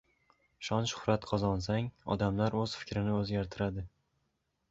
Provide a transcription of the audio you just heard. Shon-shuhrat qozonsang, odamlar o‘z fikrini o‘zgartiradi.